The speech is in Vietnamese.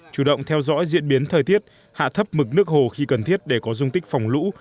chủ động theo dõi diễn biến thời tiết hạ thấp mực nước hồ khi cần thiết để có dung tích phòng lũ